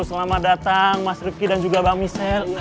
selamat datang mas rifqi dan juga mbak michelle